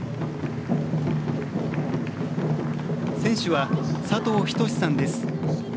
船主は佐藤仁一さんです。